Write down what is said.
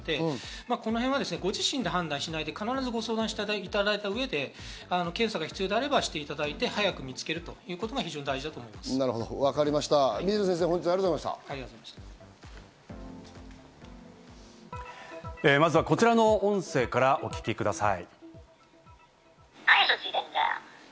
このへんはご自身で判断しないで必ずご相談していただいた上で検査が必要であればしていただいて、早く見つけるということが大事だ水野先生、本日はありがとうまずはこちらの音声からお聞きください。